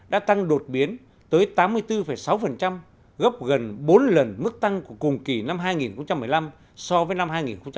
đã tăng đột biến tới tám mươi bốn sáu gấp gần bốn lần mức tăng của cùng kỳ năm hai nghìn một mươi năm so với năm hai nghìn một mươi bảy